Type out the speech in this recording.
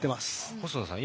細田さん